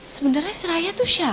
sebenernya si raya tuh siapa sih